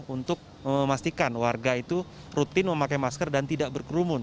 untuk memastikan warga itu rutin memakai masker dan tidak berkerumun